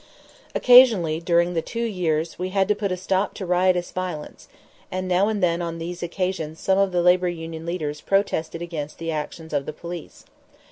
Occasionally during the two years we had to put a stop to riotous violence, and now and then on these occasions some of the labor union leaders protested against the actions of the police.